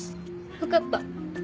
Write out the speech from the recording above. わかった。